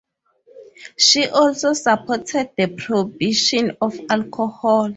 She also supported the prohibition of alcohol.